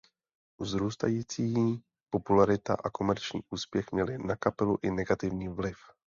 Vzrůstající popularita a komerční úspěch měly na kapelu i negativní vliv.